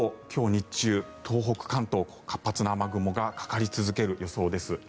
日中東北、関東は活発な雨雲がかかり続ける予想です。